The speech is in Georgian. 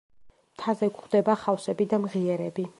მთაზე გვხვდება ხავსები და მღიერები.